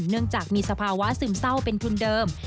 เนื่องจากมีสภาวะซึมเศร้าเป็นทุนเดิม